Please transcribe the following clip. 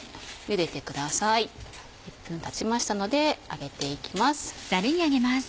１分たちましたので上げていきます。